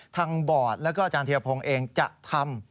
ทางบอดและก็อธิรณพงศ์เองจะทำ